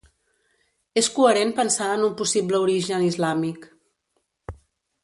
És coherent pensar en un possible origen islàmic.